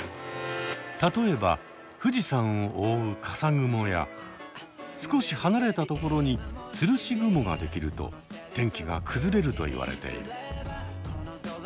例えば富士山を覆う笠雲や少し離れたところに吊るし雲ができると天気が崩れると言われている。